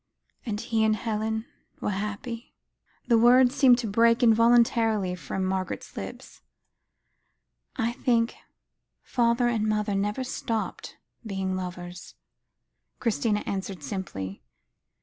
"And he and Helen were happy?" The words seemed to break involuntarily from Margaret's lips. "I think father and mother never stopped being lovers," Christina answered simply.